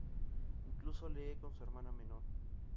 Incluso lee con su hermana menor.